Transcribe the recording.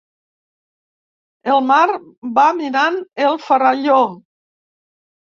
El mar va minant el faralló.